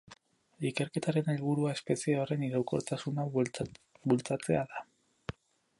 Ikerketaren helburua espezie horren iraunkortasuna bultzatzea da.